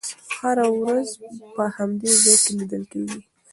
هغه هره ورځ په همدې ځای کې لیدل کېږي.